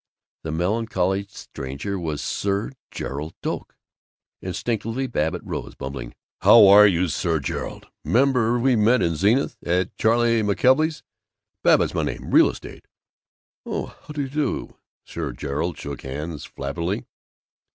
The melancholy stranger was Sir Gerald Doak. Instinctively Babbitt rose, bumbling, "How're you, Sir Gerald? 'Member we met in Zenith, at Charley McKelvey's? Babbitt's my name real estate." "Oh! How d'you do." Sir Gerald shook hands flabbily.